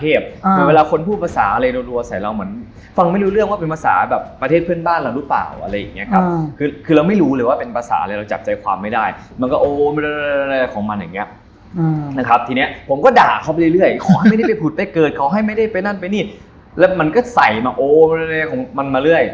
เวลาคนพูดภาษาอะไรรัวใส่เราเหมือนฟังไม่รู้เรื่องว่าเป็นภาษาแบบประเทศเพื่อนบ้านเราหรือเปล่าอะไรอย่างเงี้ยครับคือเราไม่รู้เลยว่าเป็นภาษาอะไรเราจับใจความไม่ได้มันก็โอ้ด่าเขาไปเรื่อยขอให้ไม่ได้ไปผุดไปเกิดขอให้ไม่ได้ไปนั่นไปนี่แล้วมันก็ใส่มาโอ้มันมาเรื่อย